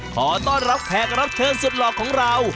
ขอต้อนรับแขกรับเชิญสุดหลอกของเรา